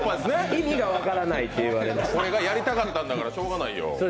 意味が分からないと言われましてこれがやりたかったんだから、しようがないよ。